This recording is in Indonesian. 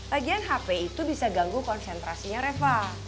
bagian hp itu bisa ganggu konsentrasinya reva